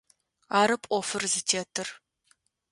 Арэп ӏофыр зытетыр.